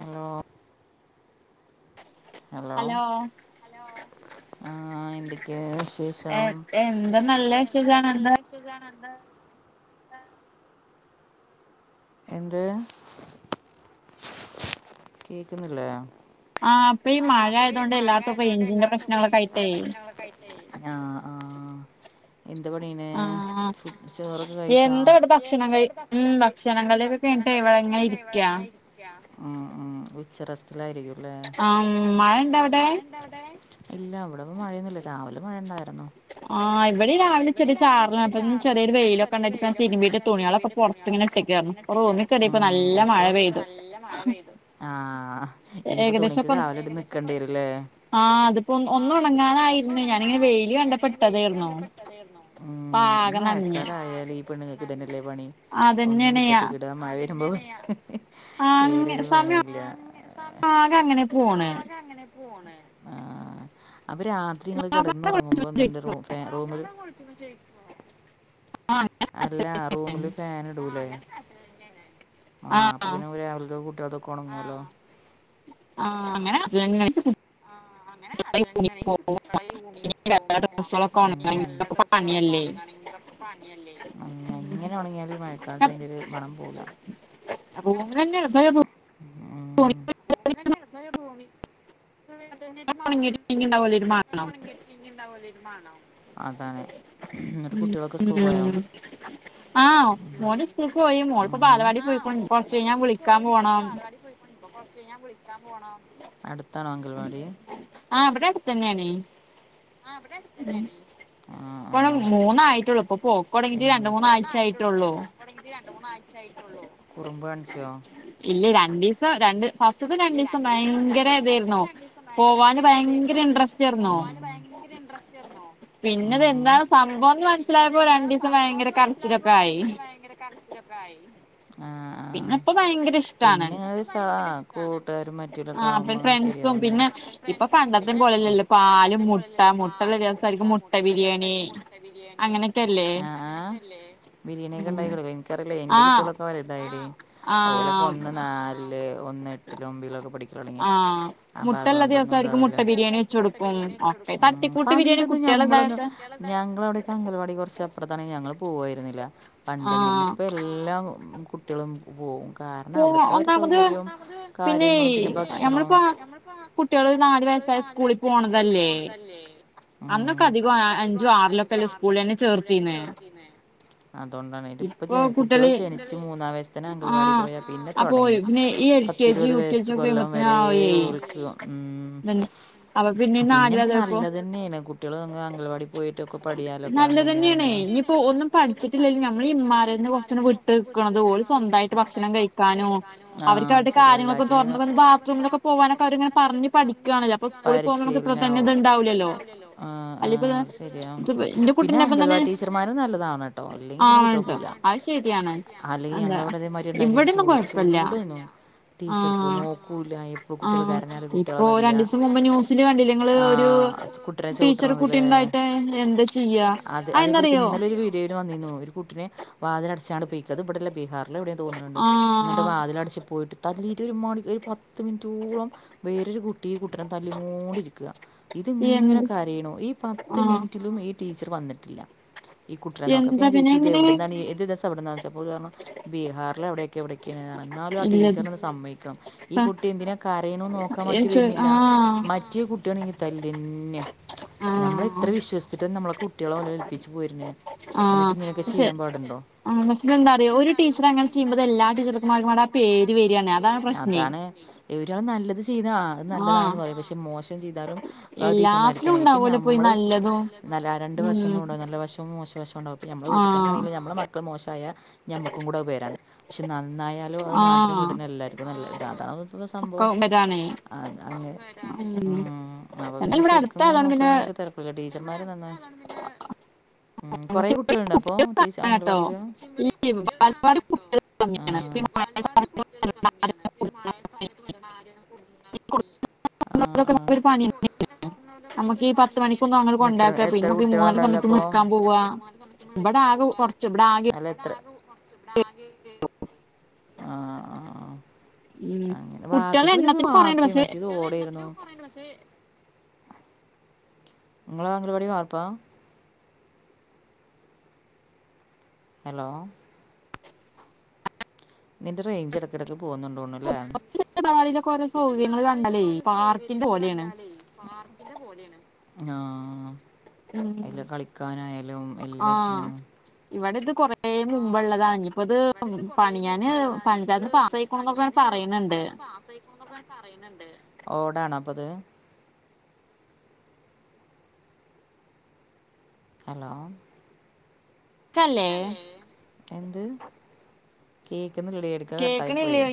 Hello hello ലോ ആ എന്തൊക്കെയ വിശേഷം എന്താ നല്ല സുഖാണ് എന്താ എന്ത് കേക്കുന്നില്ലേ ആഹ് പ്പ ഈ മഴായതോണ്ട് എല്ലാട്ത്തും റേഞ്ചിന്റെ പ്രശ്നങ്ങളൊക്കായിട്ടേ ആഹ് ആഹ് എന്ത് പണിയന്നേ ഫു ചോറൊക്കെ കഴിച്ചാ എന്താ അവിട ഭക്ഷണകയ് മ്മ് ഭക് ട് കൈ ഞ്ഞിട്ടെ ഇവിടെങ്ങനെ ഇരിക്കാ മ് മ് മ് ഉച്ചറസ്റ്റിൽ ലായിരിക്കുംല്ലേ ആ മഴണ്ടോ അവിടെ ഇല്ല ഇവിടെപ മഴയൊന്നില്ല രാവിലെ മഴണ്ടായിരുന്നു ആഹ് വിടെ രാവിലെ ചെറിയ ചാറലൊക്ക ചെറിയോരു വെയിലൊക്കെണ്ടതിരു തിരുമ്പി തുണികളെ പൊറത്ത് ങ്ങനെ ഇട്ടിക്കാണ് മ്മ് പ്പോ നല്ല മഴ പെയ്തു ആഹ്ഇനിയിപ്പോ തുണിക്ക് കാവലാടുനിക്കേണ്ടി വരൂല്ലേ ആഹ് അതിപ്പോ ഒന്നുണങ്ങാനായിരുന്നു ഞാനിങ്ങെനെ വെയില് കണ്ടപ്പോയെ ഉം മഴക്കാലായാലേ പെണ്ണുങ്ങൾക്കിതന്നെയല്ലേ പണി ഒന്നും മിറ്റത്തേക്കിടുക. മഴ വരുമ്പോ അങ്ങെനെയാ. വേറൊരു പണിയില്ല അങ്ങെനെപ്പോ ണെആഹ് അപ്പൊ രാത്രി നിങ്ങെള് കെടെന്നൊറങ്ങുമ്പോ ന്റെ റൂം. വേ റൂമിൽ അല്ല റൂമില് ഫാൻ ഇടൂലേ ആഹ് അപ്പൊ പിന്നെ രാവിലെത്തെ കൂട്ടികള തെരു കൊണങ്ങുല്ലോ ആഹ് അങ്ങെനെ ആഹ് അങ്ങനെ അതിലെങ്ങനെ കുട്ടികളെ യൂണിഫോമുവാ പിന്നെയി വെള്ള ഡ്രസ്സുകളാ. ഇങ്ങനെ ഉണങ്ങിയാല് ഈ മഴക്കാലത്ത് അയ്ന്റൊരു മണം പോകൂലാ. റൂമ് തന്നെയാ [unintelligible] ഒണങ്ങീട്ട് പിന്നെയുണ്ടാവുല്ലോയി മണം. അതാണ്. എന്നിട്ട് കുട്ടികളൊക്കെ സ്കൂളി പോയോ? ആഹ് മോന് സ്കൂൾക്കോയി. മോളിപ്പോ ബാലവാടിയിൽ പോയ്ക്കൊൺ. കൊറച്ച് കഴിഞ്ഞാ ഞാ കുളിക്കാ പോണം. ഇപ്പൊ കൊറച്ചഴിഞ്ഞാ ഞാൻ വിളിക്കാൻ പോണം. ആഹ് ഇവെടെടുത്തന്നെണ് ഉം. ഇപ്പഴേ മൂന്നായിട്ടൊള്ളു യിപ്പ പോവും. തൊടങ്ങിട്ട് രണ്ടു മൂന്നാഴ്ച്ചായിട്ടൊള്ളൂ. തൊടങ്ങീട്ട് രണ്ടു മൂന്നാഴ്ച്ചായിട്ടൊള്ളു. കുറുമ്പ് കാണിച്ചോ? ഇല്ല. രണ്ടിസം രണ്ട് ഫസ് ഇല്ല്യ രണ്ടിസം. രണ്ട് ഫസ്റ്റ് രണ്ടീസം ഭയങ്കരതേയിരുന്നു. പോവാന് ഭയങ്കര ഇൻട്രസ് റ്റാരുന്നോ പിന്നെത് എന്താണ് സംഭോന്ന് മനസ്സിലായപ്പോ രണ്ടിസം ഭയങ്കര കരച്ചിലെക്കെയായി. ച്ചിലോക്കായി ആഹ് പിന്നെയിപ്പ ഭയങ്കരിഷ്ടാണ്. ച്ചാ കോ ട്ടുകാരും മറ്റിതെക്കാകുമ്പോ ശരിയാഉന്ന ആഹ് ഫ്രണ്ട്സും പിന്നെ പണ്ടത്തെപ്പോലെയല്ലല്ലോ പാലും മൊ ആഹ്. മുട്ടൊള്ള ദെവ്സം അവെരിക്ക് മുട്ട ബിരിയാണി. ആഹ് ആഹ്. ക്കില്ലേ ബിരിയാണിയൊക്കെ ഉണ്ടാക്കി കൊടുക്കും. എനിക്കറിയില്ല. എന്റെ കുട്ട്യേളൊക്കെ വൽതായടി ഓലക്കെയൊന്നുന്നാൽ ല് ഒന്ന് എട്ടിലുയൊമ്പിലുമെക്കെ പഠി ത്രോളിങ്ങ്. അപ്പൊ അതുക്കൊണ്ടൊന്നും ഇതാവില്ല. പണ്ടൊന്നും ഞമ്മളൊന്നു ഞങ്ങളവിടത്തെ അംഗലവാടി കൊറച്ച് അപ്പെറത്താണ്. ഞങ്ങെള് പോവായിരുന്നില്ല പണ്ടൊന്നും. ഇപ്പോ എല്ലാ കുട്ടികളും പോവും. കാരണം അവിടെത്തെയാരു സൗകര്യം. കാര്യങ്ങളും പിന്നെ ഭക്ഷണവും അഹ് കുട്ടിള് നാലു വയസ്സായ സ്കൂളി പോണതല്ലേ. അന്നൊക്കെ അധികം അ ഞ്ചു ആറിലേക്കല്ലേ സ്കൂൾന്നെ ചേർത്തീന്നേ. അതോണ്ടാണ്. ഇതിപ്പ ജനി കുട്ടികൾ ജനിച്ചു മൂന്നാം വയസ്സിന് അങ്കൽവാടിപ്പോയാ പിന്നെ. അപ്പോയു പിന്നെ ഈ എൽ കെ പത്തിരുപത് വയസ്സ് കൊല്ലം വെരെയും ഓർക്ക ഉം പിന്നെയിത് നല്ലത് തന്നെണ്. കുട്ടികളിങ്ങ അംഗൽവാടിപ്പോയിട്ടൊക്കെ പഠിയാലൊക്കെ വന്തെങ്ങനെന്താ? ഇപ്പോ ഒന്നും പഠിച്ചിട്ടിലേലും നമ്മയിന്മാരെന്ന് കുറച്ചുന്ന് വിട്ട് നിക്കണത് ഓള് സ്വന്തമയിട്ട് ഭക്ഷണം കഴി ഭക്ഷണം കഴിക്കാനും ആഹ് അത് ശെരി എല്ലാറ്റിനു ന പരിശീലനാവും. ആഹ് ആഹ് ശരിയാ. പിന്നെ അങ്കലവാടി ടീച്ചർമാരും നല്ലതാണ്‌. ട്ടൊ അല്ലെങ്കി പിന്നെ കുട്ടിൾ പോരാ അല്ലെങ്കി ഞങ്ങളവടെയൊരുമാരിയൊണ്ടായ്ഞ്ഞി ഒരുഷൂ ഒരു ഷൂടേന്യാ ടീച്ചർക്ക്. നോക്കൂല്ല. എപ്പോ കുട്ടിള് കരഞ്ഞാല് കുട്ടിളെതല്ലാ. ആഹ് ച് കു ട്ട്റെ ചവിട്ടണത് ലേ അതെ അതേപോലെ ഇപ്പന്നലെ ഒരു വി ഡിയോല് വന്നിന്നു ഒരു കുട്ടിനെ വാതിലടച്ചാണ്ട് പൊയിക്ക അത് ഇബടെല്ലെ ബീഹാർ ല്ല് എവിടെ തോന്നണുണ്ട് ന്നിട്ട് വാതിലടച്ച് പോയിട്ട് തല്ലിട്ട് ഒരു മണി ഒര് പ ത്ത് മിനിറ്റോളം വേറൊരു കുട്ടി ഈ കുട്ടിനെ തല്ലിങ്ങോണ്ടിരിക്ക ഇത്ങ്ങനെ കരയണു ഈ പത്ത് മിനിറ്റിലും ഈ ടീച്ചർ വന്നട്ടില്ല ഈ കുട്ടിനെ നോക്ക അപ്പോ ഞാ ചോദിച്ചു ഇത് എവിടെന്നാണ് ത് ദിവസ വിടെന്ന് ചോദിച്ചു അപ്പം ഓല് പറഞ്ഞു ബീഹാറില് അവിടൊക്കെ ഇവിടെക്കെണ് എന്നാലും ആ ടീച്ചറൊന്ന് സമ്മയ് ക്ക ഈ കുട്ടി എന്തിനാ കരയണുന്ന് നോക്കാൻ വേണ്ടിട്ട് വരുന്നില്ല മറ്റെ കുട്ടിയണെങ്കി തല്ലെന്നെ നമ്മള് ഇത്ര വിശ്വസ ത്തം നമ്മളെ കുട്ടിളെ ഓലെ ഏൽപ്പിച്ച് പോയിര്നെ ന്നിട്ട് ഇങ്ങനെയൊക്കെ ചെയ്യാൻ പാടുണ്ടോ ആഹ് പ്രെഷ്നെന്താറിയൊ ഒരു ട്ടീച്ചറങ്ങനെ ചെയ്യുമ്പം അതെല്ലാ ട്ടീച്ചർമാർക്കും പാടെ ആ പേര് വെരേണേ അതാണ് പ്രശ്നെ. ഏഹ് ഇവരോ ന്നല്ലത് ചെയ്ത ആ അത് നല്ലതാണെന്ന് പറയും പക്ഷെ മോശം ചെയ്താലും. അതും ട്ടീച്ചർമാരിക്കനെ ഇപ്പ ഞമ്മള് ന്നല്ല രണ്ട് വശങ്ങളും ഉണ്ടകും ന്നല്ല വശവും മോശവശവും ഉണ്ടാവും ഇപ്പം നമ്മളെ വീട്ട് തന്നെയാണെങ്കിലും ഞമ്മളെ വീട്ട്തനെആണെങ്കിലും നമ്മളെ മക്കള് മോശായ ഞമ്മക്കും കൂടത് പേരാണ് പക്ഷെ നന്നായാലോ അത് ന്നാട്ട് ട്ടിനും വീട്ടിനും എല്ലാര്ക്കും ന്നല്ല ഇതാ അതാണിപ്പം സംഭവം ച്ച് പിനെ അതെ അങ്ങെ ഉം അപ്പം പിന്നെ ശെരിക്കും ഇങ്ങനെ ന്നോക്കണീനൊക്കെ തെരക്ക പ്പ്ള്ള ട്ടീച്ചർമാര് നന്നായാ ഉം കൊറെ കുട്ട്യോൾണ്ടപ്പൊ ട്ടീച്ച് അംഗലവാടില്. ആഹ് വാൽവാടില് കുട്ട്യേള് കമ്മിയാണ് മഴ സമയത്ത് [unintelligible] [unintelligible] എത്ര എത്ര കുട്ടികള ഉണ്ടാവല് അപ്പൊ? [unintelligible] വിളിക്കാൻ പോവാ അയ്ല് എത്ര ആഹ് ആഹ് അങ്ങനെ വാർത്തിത്തുനിപ്പ വാർപ്പെയ് മറ്റത് ഓടെയ്ര്ന്നു. ഉങ്ങളെ അംഗലവാടി വാർപ്പ. ഹലോ നിന്റെ റേഞ്ച് എടക്കെടക്ക് പോകുന്നുണ്ടോന്ന്ല്ലേ. ഇപ്പം അംഗവാടിലൊക്കെ ഓരോ സൗകര്യങ്ങള് കണ്ടാലെയ് പാർക്ക്‌ പോലെണ്. ലേയ് പാർക്കിന്റെ പോലേണ് ആഹ്. അയ്ല് കളിക്കാനായാലും എല്ലാറ്റിനും- ഇവടിത് കൊറേ റേ മുമ്പ്ള്ളതാണ് ഇഞ്ഞിപ്പ്ത് പണിയാന് പഞ്ചായ്ത്ത്ന്ന് പാസ്സായിക്കുണു ന്നൊക്കെഇങ്ങനെ പറയ്ണ് ണ്ട്. ന്നൊക്കെ ഇങ്ങനെപറയ്ണ്ണ്ട് ഓടാണോപ്പത്. ഹലോ ഇന്നല്ലേ എന്ത്? കേക്ക്‌ന്നില്ലെടീ എടക്കാ കട്ടായി പോയേ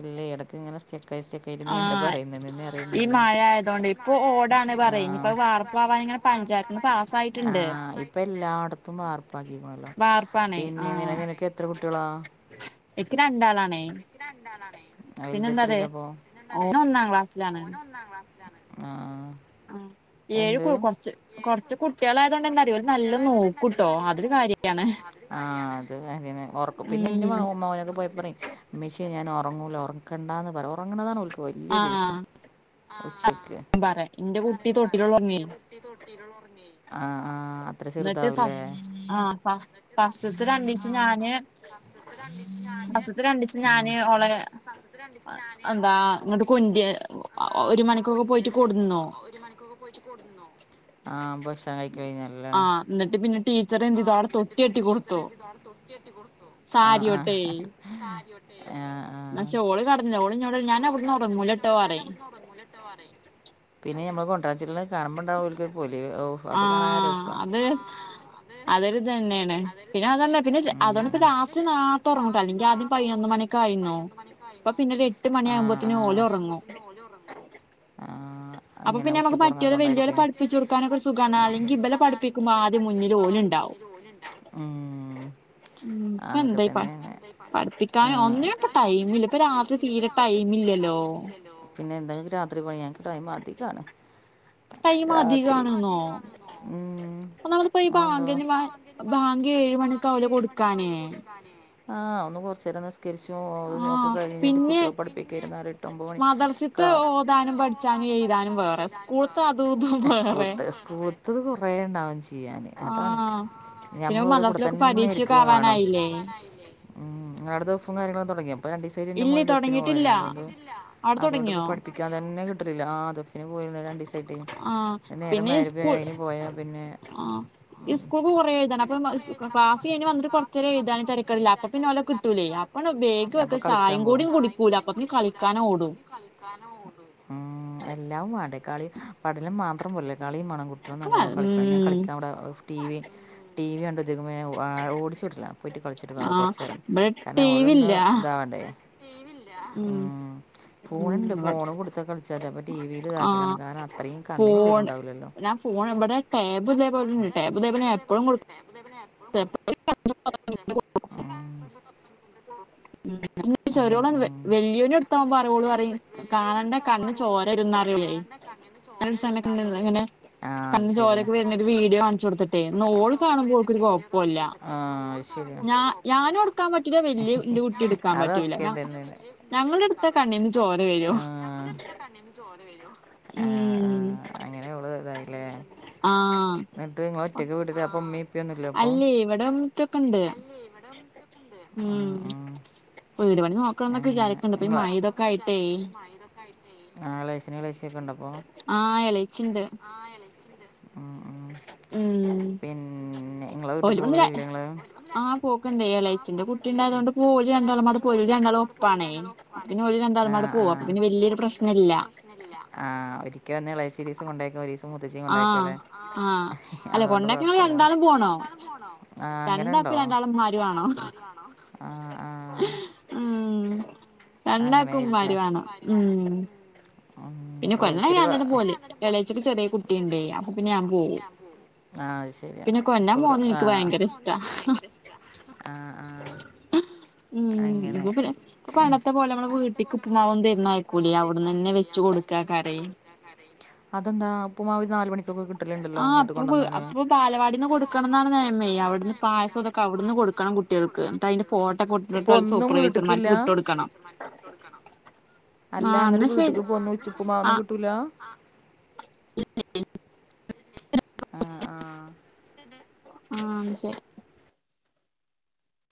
ഇല്ലേ എടക്ക് ഇങ്ങനെ സ്റ്റക്കായി സ്റ്റക്കായി തെയ്റ്റ് നീ എന്താ പറയുന്ന്ന്നെ അറിയുന്നില്ല ആഹ് ഈ മഴ ആയതോണ്ടേയ് ആഹ് ചൂടാണ് പറയുമ്പം [unintelligible] ആഹ് ഇപ്പം എല്ലാട്ത്തും വാർപ്പ് പ്പാക്കിക്കണല്ലോ പിനെ ന്നിനക്ക് എത്ര കുട്ട്യൊളാ? എക്ക് രണ്ടാളാണേയ്. എക്ക്‌ രണ്ടാളാനെയ് വലുത് എത്രേലാ ഇപ്പൊ? ഒന്നാം ക്ലാസ്സിലാണ് അ ആ ആ ഏഴ് കു കൊറച്ച് കൊറച്ച് കുട്ട്യേളായതോണ്ട് എന്താ അറിയൊ ഓര് ന്നല്ലോം ന്നോക്കൂട്ടോ അതൊരു കാര്യ ആഹ് അത് കാര്യാണ്. ഒറക്കും പിനെ ഇന്റെ മൗ മോനൊക്കെ പോയപ്പൊ പറയും ഇമ്മച്ചേ ഞാൻ ഒറങ്ങൂല ഒറക്കണ്ടാന്ന് പറ ഒറങ്ങണതാണ് ഓൽക്ക്‌ വല്ല്യദേഷ്യം ഉച്ചക്ക്. [unintelligible] ആഹ് ആഹ് ന്ന്ട്ട് ഫസ് ആ ഫസ്റ്റ്ത്തെ രണ്ടീസം ഞാന്- ഫസ്റ്റ്ത്തെ രണ്ടീസം ഞാന് ആഹ് ഫസ്റ്റത്തെ രണ്ടീസം ഞാന് ഓളെ എന്താ ഇങ്ങട്ട് കൊണ്ട്രേ ഒരു മണിക്കൊക്കെ- പോയ്‌റ്റ് കൊടുന്ന് ആഹ് ഭക്ഷണം കയ്ക്കല് കയ്ഞ്ഞാല്. ആഹ എന്ന്ട്ട് പിനെ ട്ടീച്ചറ് ന്ത് തോർ തൊട്ടിയെട്ടി കൊടുത്തു. സാര്യൊണ്ടേയ് സര്യോണ്ടേയ് ആഹ് ആ പഷോള് കടഞ്ഞു ഓളിനോടർഞ്ഞു ഞാനെവ്ട്ന്നോ മൊഗംകൂലിട്ടോ പറയും പിനെ നമ്മള് കൊട്ടാച്ചിട്ല് കാണുമ്പ്ണ്ടാവോൽക്കൊരു പൊലിവ് ഔ അപ്പത് കാണാനാ രസം അതൊരു തനെ ണ് പിനതല്ല പിനെത് അതോണ്ട്പ്പ രാത്രി നേർത്ത ഒറങ്ങുംട്ടാ അല്ലെങ്കി ആദ്യം പയ്നൊന്ന് മണിക്ക ആയിന്നു. ക്കായിന്നു ആഹ് ആ പിനൊരെട്ട്മണി ആവുമ്പത്തിനും ഓനും ഒറങ്ങും ആഹ് അങ്ങനെ ഉച്ചക്കൊറങ്ങാത്തോണ്ടായ്ര് ക്കും. ഉം ആങ്ങനൊക്കെ തന്നെ. ആഹ്. പഠിപ്പിക്കാനും ഒന്നിനും ടൈമ് പിന്നെ പ്പ രാത്രി തീരെ ടൈമില്ലല്ലോ. പിന്നെ എന്തെങ്ങക്ക് രാത്രി പണി? ഞങ്‌ക്ക് ടൈമ് അധികാണ്. രാത്രി. ടൈം അധി ഉം ആന്തോ ബാങ്കേഴ് മണിയൊക്കാവൂലെ കൊടുക്കാന് ആഹ് ഒന്ന് കൊർച്ചേരന്ന് സ് ത്ക്കരിച്ചും ഓതലും ഒക്കെ കഴിഞ്ഞിട്ട് കുട്ടികളെ പഠിപ്പിക്കാനിരുന്നാല് എട്ട് ഒമ്പത് മണി ഒക്കെ ആവും. താനും പഠിച്ചാനും എഴ്താനും വേറെ. സ്ക്കൂൾത്തെ കൂൾത്തത് കുറേ ഉണ്ടാവും ചെയ്യാന് അതാണ്. ഞമ്മൾ ഓരെ കൂടെ തന്നെ ഇരിക്കും വാണം. ഉം ഇങ്ങളാടെ ദഫും കാര്യങ്ങളും തൊടങ്ങിയോ ഇപ്പ രണ്ടീസം ഇപ്പയ്ന് ഇന്റെ മോൻ ദഫിന് പോയ്നി അതോണ്ട്, അതോണ്ട് ഇപ്പം പഠിപ്പിക്കാൻ തന്നെ കിട്ടലില്ല ആഹ് ദഫ് ന് പോയീന്ന് രണ്ടീസായ്ട്ടെ. നേരം മയ്രിബ് ന് അയ്ന് പോയാ പിന്നെ ആഹ് ഇസ്കൂൾക്ക് കൊറേ താണ് അപ്പം സ് ക്ലാസ് കെയിഞ്ഞ് വന്നിട്ട് കൊർച്ചേരെ എഴ്താണെ തരക്കടില്ല അപ്പ പിന്നെ ഓലെ കിട്ടൂലേ. അപ്പ ഓണ് ബേഗ് വെക്കാൻ ചായിം കൂടിും കുടിക്കൂല അപ്പൊ കളിക്കാനൻ ഓടും ഉം എല്ലാം വാണ്ടേ കളിയും പഠനം മാത്രം പോരല്ലോ. കളിയും മാണം കു റ്റവും നല്ലോണം കളിക്കാഞ്ഞാ ഞാൻ കളിക്കാൻ വിടാൻ off T V, T V കണ്ട് കുത്തിര്ക്കുമ്പം ഞാ ഓ വാ ഓടിച്ചു വിട്ടല. പോയിട്ട് കളിച്ചിട്ട് വാ കുറച്ചേരം ന്ന്. കാരണം ഓലൊന്ന് ഇതാവണ്ടേ ഉം ഫോണുണ്ട് ഫോണ് കൊടുത്ത കളിച്ചാറ്റ അപ്പൊ ടി വിയിൽ ഇതാക്കലാണ് കാരണം അത്രയും കണ്ണിന് കേടുണ്ടാവൂലല്ലോ. ഫോൺ ഇബടെ ടേബു ഇതേപോലെന്നെ. ടാബ് ഇതേ പോലെ എപ്പളും കൊട് [unintelligible] [unintelligible] [unintelligible] ഉം [unintelligible] ചെറ്യോള് [unintelligible] വല ല്യോന്നെ എടുത്താവുമ്പ ഓളറിം കാണണ്ട കണ്ണ് ചോര വരും ന്നറി [unintelligible] [unintelligible] സമയത്ത് ണ്ട് ഇങ്ങനെ കണ്ണ് ചോരൊക്കെ വര്ന ഒരു വീഡിയോ കാണിച്ചു കൊടുത്തിട്ടേ ഓള് കാ ണുമ്പോ ഓക്കൊര് കൊയപ്പുല്ലാ. ഞാ ഞാനുട്ക്കാൻ പറ്റൂല്ല വല്ല്യ ഇൻ്റെ കു ട്ടി ഇടുക്കാൻ പറ്റൂല. ഞങ്ങള് ഇട്ത്താ കണ്ണീന്ന് ചോര വരൂ. ചോര വരു. ആഹ് ആഹ് അങ്ങനെ ഓള് ഇതായില്ലേ. ഇന്നട്ട് നിങ്ങള് ഒറ്റക്ക് വീട്ട് ലാ അപ്പൊ ഇമ്മീ ഇപ്പിം ഒന്നുല്ലെ അപ്പം. ഇവിടെ മ്മി പ്പി ഒക്ക ഇണ്ട്. ഉം വീട് പണി നോക്കണം ന്നൊക്കെ വിചാരിക്ക്ണ്ട്. ഇപ്പി മയിം ഇതൊക്കെ ആയിട്ടേ. ആഹ് എളേശനും എളേശിയൊക്കെണ്ടപ്പോ? പിൻ ഓല് പ്പ ന്നലെ. ആഹ് പോക്ണ്ടേ എലേച്ചിന്റെ കുട്ടിണ്ടായതോണ്ട് ഇപോല് രണ്ടാളും പാടെ പോര് രണ്ടാളും പാടെ പോര് രണ്ടാളും ഒപ്പാണെ. ആഹ് ആഹ്. ഓല് രണ്ടാളും പാടെ പോവും അപ്പ വലിയൊരു പ്രശ്നല്ല. ആഹ് ഒരിക്ക ഒന്ന് ഇളയച്ചി ഒരീസം കൊണ്ടയാക്കാ ഒരീ സം മൂത്തച്ചിം കൊണ്ടയാക്കല്ലേ. ആഹ് ആഹ്. അതുകൊണ്ട് കൊഴപ്പല്ല. [unintelligible] രണ്ടാളും പോണം. ആഹ് അങ്ങനെ ണ്ടോ? രണ്ടാക്ക് രണ്ടാള ഇമ്മാര് വാണം. ആഹ് ആഹ് ഉം രണ്ടാക്കും ഇമ്മാര് വേണം. ഉം പിന്നെ കൊല്ലണ് ഞാൻ തന്നെ പോകല്. ഇളയച്ഛന് ചെറിയ കുട്ടിണ്ടേ. അപ്പൊ പിന്നെ ഞാൻ പോവും. ആഹ് അത് ശരിയാ. ഇപ്പൊ ആഹ്. ഭയങ്കര ഇഷ്ടാ. ആഹ് ആഹ് ഉം അപ്പൊ പിന്നെ ഇപ്പ പണ്ടത്തെ പോലെ നമ്മള് വീട്ടിക്ക് ഉപ്പുമാവൊന്നും തന്നയക്കൂലേ അവിട്ന്നന്നെ വെച്ച് കൊടുക്കാക്കാരേ. അതെന്താ ഉപ്മാവ് ഒരു നാല് മണിക്കൊക്കെ കി ട്ടല് ഇണ്ടല്ലോ ഇങ്ങട്ട് കൊണ്ടന്നാല്. ഇപ്പം ബാലവാടീന്ന് കൊട്ക്കണം ന്നാണ് നെയമ ഇല്ലെ വിട്ന്ന് പായസൊക്കെ ക്കവ് ട്ന്ന് കൊടുക്കണം കുട്ടികൾക്ക്. ഇപ്പം ഒന്നും വീട്ടിക്കില്ലാ? സൂപ്പർവൈസർമാർക്ക് വിട്ട് കൊട്ക്കണം. അല്ല എന്നിട്ട് വീട്ട്ക്ക് പോന്നു വെച്ചിട്ട് ഉപ്പ്മാവൊന്നും കിട്ടൂല. [inaudible] ആ ആഹ. ഉം ശരി.